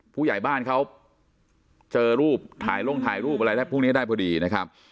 ผู้ใหญ่บ้านเขาเจอรูปถ่ายลงถ่ายรูปอะไรพวกนี้ได้พอดีนะครับ